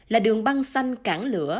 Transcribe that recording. là đường băng xanh cản lửa